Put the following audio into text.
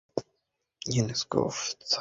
উনি ফ্রেস্কো বললেন কোন আক্কেলে?